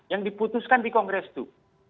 yang diputuskan di kongres itu